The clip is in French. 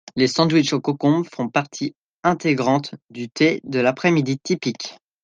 Les sandwichs au concombre font partie intégrante du thé de l'après-midi typique.